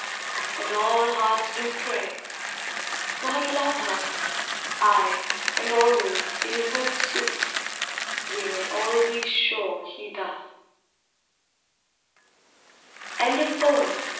And all hearts do pray, " God love her! Ay, and always, iu good sooth, We may all be sure He doth.